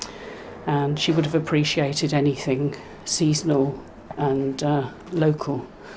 dan dia akan menghargai apa saja yang sejati dan lokal